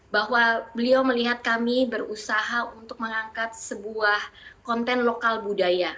bahwa beliau melihat kami berusaha untuk mengangkat sebuah konten lokal budaya